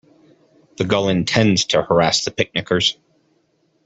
The gull intends to harass the picnickers.